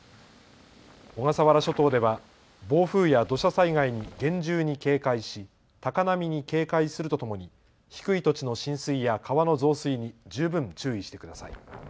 小笠原諸島では暴風や土砂災害に厳重に警戒し高波に警戒するとともに低い土地の浸水や川の増水に十分注意してください。